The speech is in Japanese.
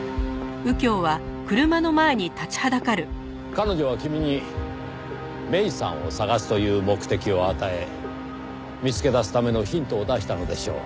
彼女は君に芽依さんを捜すという目的を与え見つけ出すためのヒントを出したのでしょう。